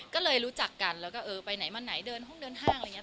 ก็เลยรู้จักกันแล้วก็เออไปไหนมาไหนเดินห้องเดินห้างอะไรอย่างนี้